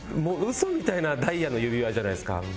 もうウソみたいなダイヤの指輪じゃないですか。